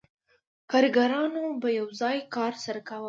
کارګرانو به یو ځای کار سره کاوه